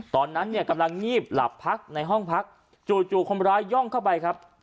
ตอนนั้นเนี่ยกำลังงีบหลับพักในห้องพักจู่คนร้ายย่องเข้าไปครับ